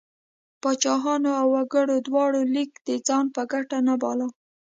پاچاهانو او وګړو دواړو لیک د ځان په ګټه نه باله.